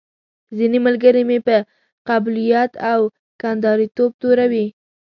ځينې ملګري مې په قبيلويت او کنداريتوب توروي.